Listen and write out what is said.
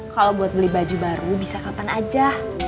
kalau buat beli baju baru bisa kapan aja